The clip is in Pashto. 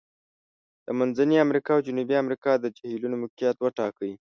د منځني امریکا او جنوبي امریکا د جهیلونو موقعیت وټاکئ.